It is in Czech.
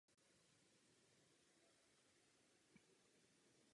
Ústí do Černého moře nedaleko Batumi.